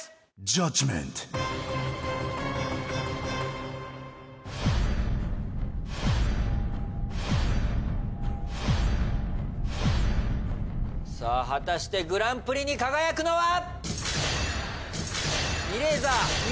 ジャッジメントさあ果たしてグランプリに輝くのは？